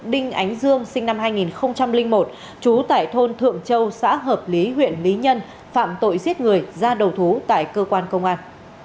đinh ánh dương sinh năm hai nghìn một trú tại thôn thượng châu xã hợp lý huyện lý nhân phạm tội giết người ra đầu thú tại cơ quan công an